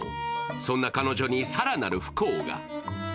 そんな彼女に更なる不幸が。